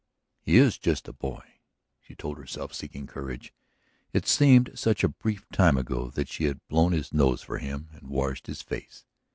"He is just a boy," she told herself, seeking courage. It seemed such a brief time ago that she had blown his nose for him and washed his face.